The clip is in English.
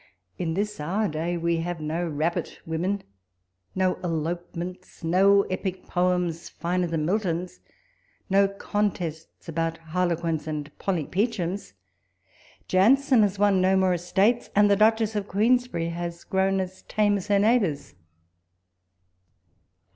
In this our day, we have no rabbit women — no elopements— no epic poems, finer than Milton's — no contests about Harlequins and Polly Peachems. Jansen has won no more estates', and the Duchess of Queensbevry has grown as tame as her neighbours.